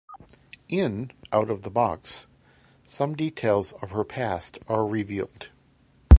In "Out of the Box" some details of her past are revealed.